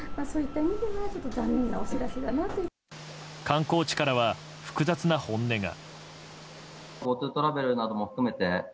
観光地からは複雑な本音が。